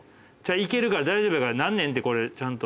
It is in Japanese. いけるから大丈夫やからなんねんてちゃんと。